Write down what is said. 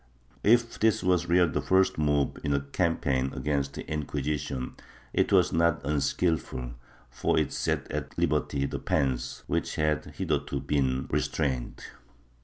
^ If this was really the first move in a cam paign against the Inquisition, it was not unskilful, for it set at liberty the pens which had hitherto been restrained.